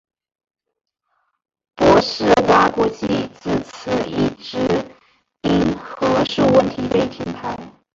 博士蛙国际自此一直因核数问题被停牌。